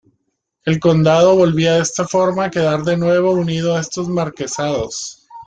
El condado volvía de esta forma a quedar de nuevo unido a estos marquesados.